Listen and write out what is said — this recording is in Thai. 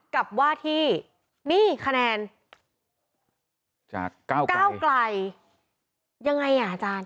กับว่าที่นี่คะแนนจากก้าวไกลยังไงอ่ะอาจารย์